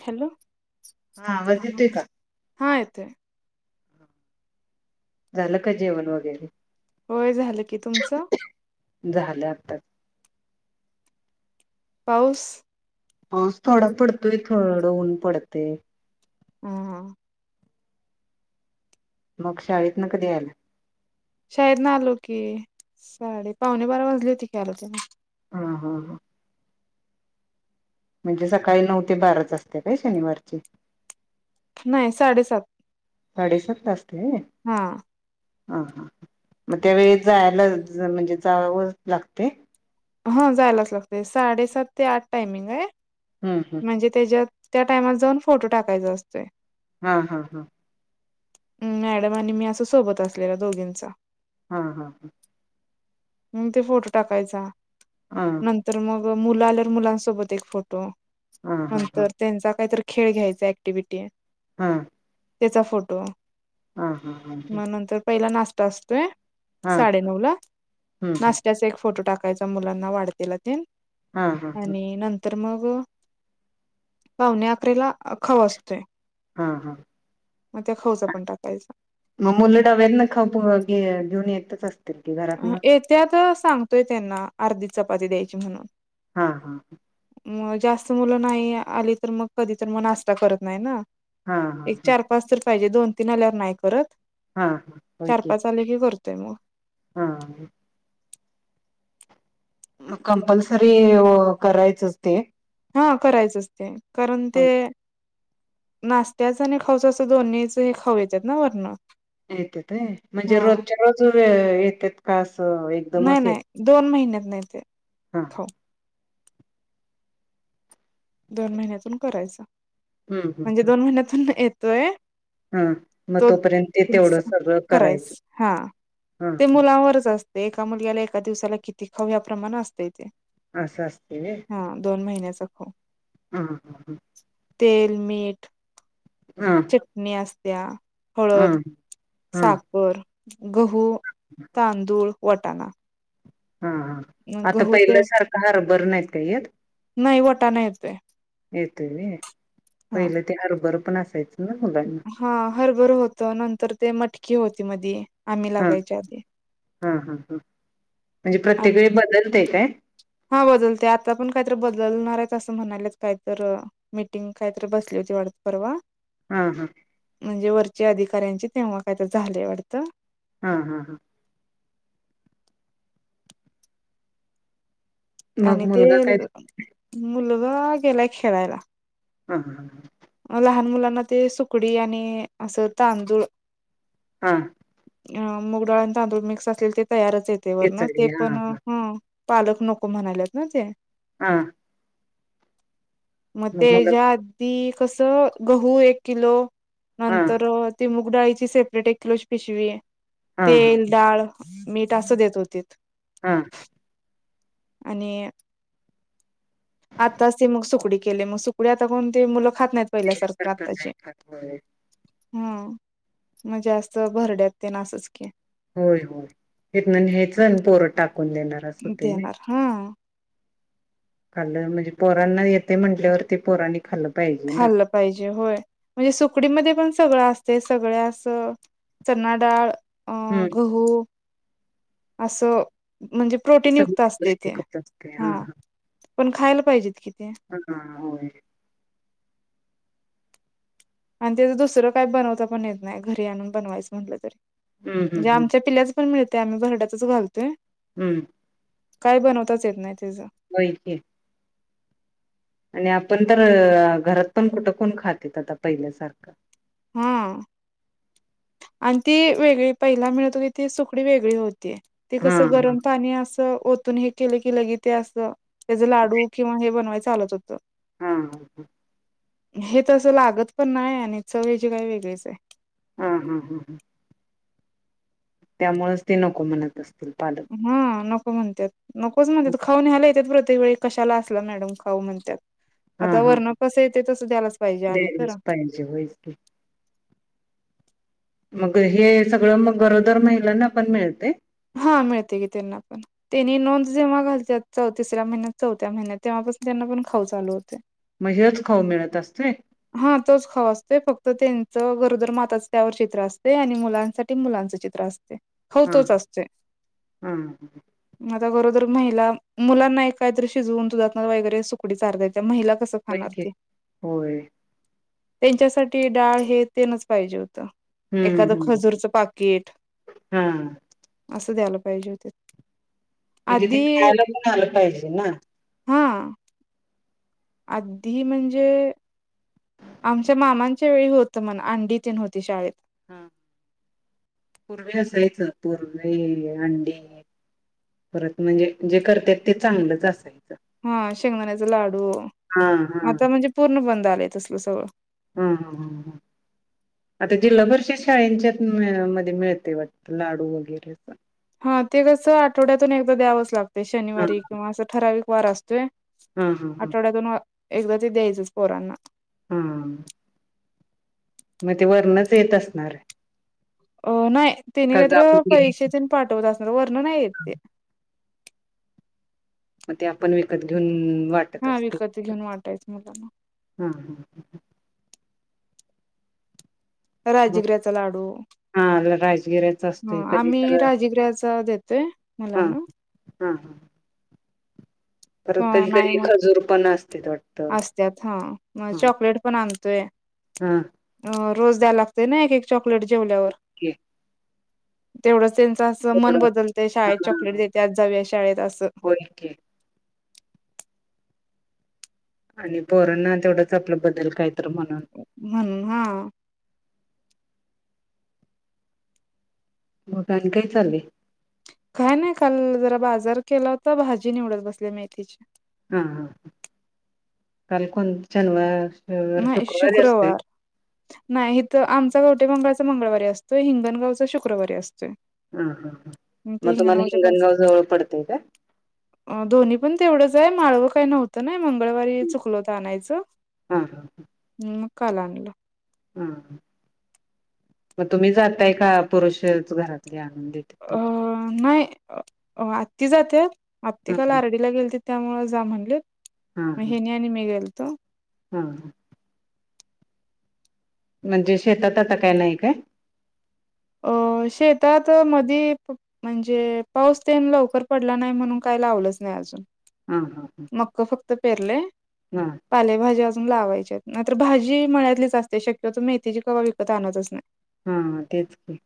Hello हा वज का हा येते झालं का जेवण वगैरे होय झालं की तुमचं झालं आताच पाऊस पा थोडा पडतोय थोडं ऊन पडते हम हा मग शाळेत ना कधी यायला शाद ना आलो की साडे पावणे बारा वाजली होती ख्यायला त्या हा हा हा म्हणजे सकाळी नऊ ते बाराच असते काय शनिवारची नाही साडेसात साडेसात असते हा ह हां मग त्यावेळी जायला म्हणजे जावं लागते हा जायलाच लागते साडेसात ते आठ टायमिंग आहे हम्म हम्म. म्हणजे त्याच्यात त्या टायमात जाऊन फोटो टाकायचा असतो हा हा हा मॅडम आणि मी असं सोबत असलेला दोघींचा हा हा हां म ते फोटो टाकायचा हा नंतर मग मुलं आल्यावर मुलांसोबत एक फोटो हा हा. नंतर त्यांचा काहीतरी खेळ घ्यायचा ऍक्टिव्हटी हा त्याचा फोटो हा हा. मग नंतर पहिला नाश्ता असतोय हा साडे नऊ ला हम्म हम्म. नाशत्याचा एक फोटो टाकायचा मुलांना वाढते लातील हा हा हा. आणि नर तर मग पावणे अकरेला खव असतोय हा हा मग त्या खवचा पण टाकायचा मग मुलं ाव्याेत ना खाप घेऊन येतच असत येत्यात सांगतोय त्यांना अर्धी चपाती द्यायची म्हणून हा हां ह मग जास्त मुलं नाही आली तर मग कधी तर मग नाश्ता करत नाही ना हा हा एक हा. चार पाच तर पाहिजे दोन तीन आल्यावर नाही करत हा हा होय चार पाच आले की करतोय मग हा कंपल्सरी करायचच ते हा करायचच ते कारण ते नाष्ट्याचे आणि खाऊच असं दोन्हीच खाऊ येतेत ना वरून येतेत वय म्हणजे रोजच्या रोज येतेत का असं नाही एकदमच येत नाही दोन महिन्यात येते हा दोन महिन्यातून करायच हम्म हम्म म्हणजे दोन महिन्यातून येतोय हम्म हा मग तो तोपर्यंत ते तेवढं सगळं करायच करायचं हा हा ते मुलावरच असते एका मुलगला एका दिवसाला किती खव्या प्रमाण असतय ते हा अस असत होय हा दोन महिन्याचा खाऊ हां हां हां तेल मीठ हा चटणी असत्या हा हळद हा साखर गहू तांदूळ वटाणा हा हा आता गहू ते पहिल्या सारखं हरभर नाही काय येत नाही वटाणा येतोय येतय रे हा पहिलं ते हरभर पण असायचं ना मुलांना हा हरभर होत नंतर ते मटकी होती मदी हा हा हा ह म्हणजे आणि प्रत्येक वेळी बदलते काय हा बदलते आता पण काहीतर बदलणार आहे असं म्हणालेच काहीतरी मीटिंग काहीतरी बसली होती वाढत परवा हा हा म्हणजे वरचे अधिकाऱ्यांचे तेव्हा काय तर झाले वाटतं हा हा हां मग आणि ते मुलगा काय मुलगा गेलाय खेळायला हं ह ह लहान मुलांना ते सुकडी आणि असं तांदूळ हा अ मुगडाळ आणि तांदूळ मिक्स असलेल ते तयारच येते वरण ते खिचडी हा पण हा पालक नको म्हणालेत ना ते हां मग त्याच्या आधी कस गहू एक किलो हा नंतर ति मूक डाळीची सेपरेट एक किलोज पिशवी आहे हा हा तेल डाळ मीठ असं देत होती हा आणि आत्ताच ती मग सुकडी केली मग सुकडी आता कोण ते मुलं खात नाहीत पहिल्यासारखं सारखं नाही आत्ताची खात होय हा म्हणजे असं भरड्यात ते ना असच के, होय होय इतना न्यायचा आणि पोर टाकून देणार असं होतंय ना देणार हा खाल्लं म्हणजे पोरांना येते म्हंटल्यावर ते पोरनी खाल्लं पाहिजे ना खाल्लं पाहिजे होय म्हणजे सुकडीमध्ये पण सगळं असते सगळ अस चना डाळ अ हम्म गहू असं म्हणजे ते प्रोटीन सगळी युक्त असते ते पौष्टिकच असते हा पण खायला पाहिजेत कि ते हा होय आणि त्याचं दुसरं काय बनवता पण येत नाही घरी आणून बनवायचं म्हटलं तरी हम्म हम्म म्हणजे हम्म आमच्या पिल्याच पण मिळते आम्ही बराट्यातच घालतोय हम्म काय बनवताच येत नाही त्याच्या होय की आणि आपण तर घरात पण कुठं कोून खातेत आता पहिल्यासारखं हम्म आणि ती वेगळी पहिला मिळतो की ती सुकडी वेगळी होती ती हा कसं हा गरम पाणी अस ओतून हे केलं की लगे ते असं त्याच लाडू किंवा हे बनवाय चालत होतं हां हां हां हे तं लागत पण नाही आणि चवयचीे काय वेगळीच आहे हां हां हां हां त्यामुळेच ते नको म्हणत असतील पालक हा नको म्हणतात नकोच म्हणतात खाऊ नेहायला येतात प्रत्ये वेळी कशाला असला मॅडम खाऊ म्हणतात हा आता हा वर्ण कसं येते तसं द्यायलाच पाहिजे आम्ही तर होय मग हे सगळं मग गरोदर महिलांना आपण मिळते हा मिळते की त्यांना पण त्यांनी नोंद जेव्हा घालत च तिसऱ्या महिन्यात, चौथ्या महिन्यात तेव्हापासून त्यांना पण खाऊ चालू होते. मग हेच खाऊ मिळत असतय? हा. तोच खाऊ असतोय. फक्त त्यांचं गरोदर माताच त्यावर चित्र असते. आणि मुलांसाठी ते मुलांचं चित्र असते. खाऊ हां. तोच असतोय हां. आता गरोदर महिला, मुलांना काहीतरी शिजवून दुधात वगैरे सुकडी चारता येत्या. महिला कसं खाणार की ते? होय त्यांच्यासाठी डाळ हे, तेनच पाहिजे होतं. एखादं हम्म. खजूरचं पाकिट हा. असं द्यायला पाहिजे होते. म्हणजे ते आधी खायला पण आलं पाहिजे ना. हा. आत्ती म्हणजे आमच्या मामांच्या वेळी होत, म्हण अंडी तेन होती शाळेत ह पूर्वे असायच. पूर्वे अंडी परत म्हणजे, जे करतेत ते चांगलंच असायचं. हा शेंगदाण्याचा लाडू, हा हा आता म्हणजे पूर्ण बंद आलंय तसल सगळं. हम आता जिल्हापरीषद शाळेंच्यात, मध्ये मिळते वाटत. लाडू वगैरे अस हा. ते कसं आठवड्यातून एकदा द्यावच लागते. हा शनिवारी किंवा असं ठराविक वार असतो. ते हा हा आठवड्यातून एकदा ते द्यायचच पोरांना हम मग ते वरणच येत असणार. अ नाही. तिने कर्ज कायतर आपण घ्यायच पैसे तेन पाठवत असणार. वर्ण नाही येत ते मग ते आपण विकत घेऊन, वाट हा विकत घेऊन वाटायचं, मुलांना हां. मग राजीगऱ्याचा लाडू हा राजगिऱ्याचा ह. असतोय कधी तर आम्ही राजीगऱ्याचा देतोय, हा. मुलांना हा. अ परत कधी नाही कधी मग खजुर पण असतेत वाटत. असत्यात हा मग हा. चॉकलेट पण आणतोय. हा. अ रोज द्याय लागते ना, एक एक चॉकलेट जेवल्यावर. के तेवढंच त्यां तसं मन तेवढं बदलतय. हा शाळेत चॉकलेट हा देत्यात, जाऊया शाळेत असं होय की आणि पोरोना तेवढंच आपलं बदल काय तर म्हणा. म्हणून, हा. मग आणि काय चाललय? काय नाही. काल जरा बाजार केला, तर भाजी निवडत बसल्या, मेथीची हा. हा. काल कोण शनिवार नाही शुक्रवारी असते शुक्रवार नाही. हिथं आमचा कवटे मंकाळचा मंगळवारी असतोय. हिंगणगावचा शुक्रवारी असतोय. हम्म. हम्. ते मग तुमाला हिंगणगावच्या हिंगण पास गाव जवळ पडतय काय? दोन्ही पण तेवढंच आहे. माळवं काय नव्हतं नाही. मंगळवारी चुकलोत आणायचं. हां. मग काल आणल. हा मग तुम्ही जातय का? पुरुषच घरातली आणून देतात तुमच्या? अ, नाही. आत्ती जात्यात. आत्ती हा काल हा आरडीला गेलतीत त्यामुळे जा म्हणलेत. म हेनी आणि मी गेलतो. हां. म्हणजे शेतात आता काय नाही काय? अ शेतात मध म्हणजे पाऊस ते लवकर पडला नाही म्हणून काय लावलंच नाही अजून हां हां हां मक्क फक्त पेरले हां पालेभाजी अजून लावायच्या न तरर भाजी मळतलीच असते शक्यतो मेथीची क्हा विकत आणतच नाही हां तेच क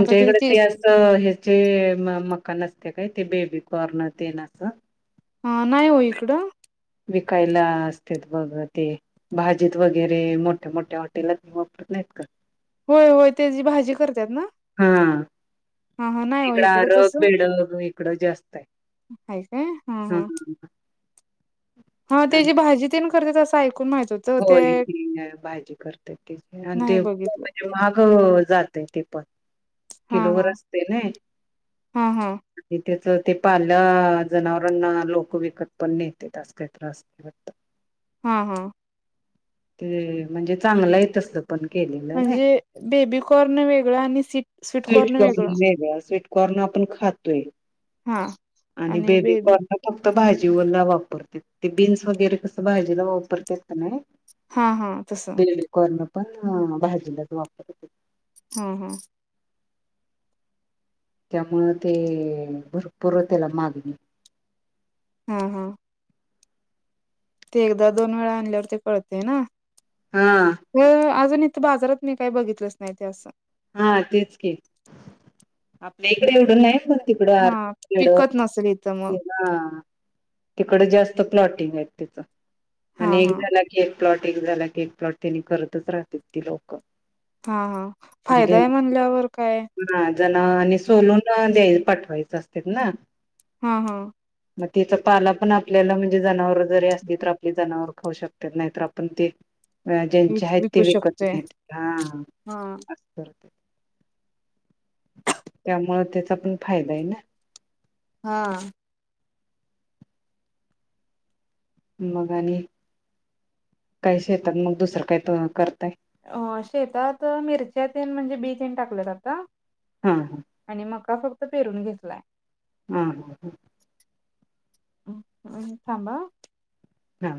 आता किती इकडे ते तीस अस ह्याचे मकान असते काय ते बेबी कॉर्नर ते ना असं हा नाही हो इकडं विकायला असत बघ ते भाजीत वगैरे मोठ्या मोठ्या हॉटेलत वापरत नाहीत का होय होय ते जी भाजी करतात ना हा हा हा नाही हो इकड इकडं आरग बिळग इकडं जास्त आहे हा काय हा हा हा आणि त्याची भाजी तेण करते त असं ऐकून माहित होत होय ती भाजी करते तची आणि नाही ते बघितलं म्हणजे माग जात ते पत हा हा किलोवर असते ना हा हा त्याच ते पाल्या जनावरांना लोक विकत पण नेत काही त्रास हा हा ते म्हणजे चांगला येत असल [inaudible] म्हणजे बेबी कॉर्न वेगळं आणि सीट स्वीट कॉर्न वेगळं कण आपण खातोय हा आणि बेबी करण फक्त भाजी वला वापरत ते बीन्स वगैरे कसं भाजीला वापरतात नाही हा हा तस कॉन पण भाजीलाच वापरत हम्म हम्म त्यामुळ ते भरपूर त्याला मागणे हा हा ते एकदा दोन वेळा आणल्यावर ते कळते ना हा तर अजून बाजारात मी काही बघितलंच नाही ते असं हा तेच केच आपल्या इकडे एवडून नाही बण तिकडे हा आर्ड पिकत नसेल इथं मग हा तिकडे जास्त प्लॉटिंग आहेत तिच हा आणि हा एकदा केक प्लॉट एक झाला क एक प्लॉट त्यांनी करतच राहतात ती लोक हा हा म्हजे फायदा आहे म्हणल्यावर काय हा जण आणि सोलून द्याय पाठवायचं असत ना हा हा मग त्यािचा पाला पण आपल्याला म्हणजे जनावर जरी असली तर आपली जनावर खाऊ शकतो नाहीतर आपण ते विक ज्यांचे आहेत ते विकू विकत शकतोय घ्या हा हा करते त्यामुळे त्याचा पण फायदा आहे ना हा मग आणि काहीच येतात मग दुसरं काही करतय अ शेतात मिरच्या तेन म्हणजे बी तेन टाकले जातता हा हा आणि मका फक्त पेरून घेतलाय हां ह ह आहे थांबा. हा.